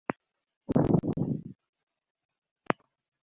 mtangazaji anatakiwa kuzingatia mambo mbalimbali kaatika mahojiano